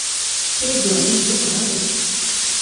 テレビは目によくないです。